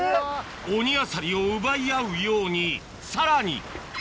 オニアサリを奪い合うようにさらにえっ！